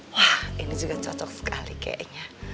wah ini juga cocok sekali kayaknya